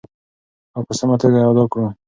او په سمه توګه یې ادا کړو.